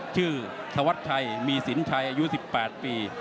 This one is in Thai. ชื่อสวัสดิ์ชัยมีศิลป์ชัยอายุ๑๘ปี